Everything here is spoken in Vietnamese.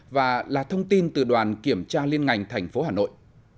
và là thông tin từ đoàn kiểm tra liên ngành tp hà nội